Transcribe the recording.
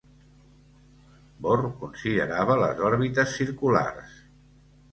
Bohr considerava les òrbites circulars.